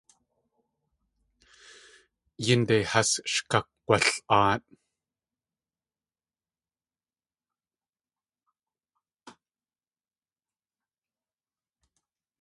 Yínde has sh kakg̲wal.áat.